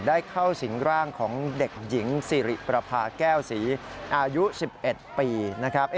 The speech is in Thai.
ได้เข้าสิงร่างของเด็กหญิงสิริประพาแก้วศรีอายุ๑๑ปีนะครับ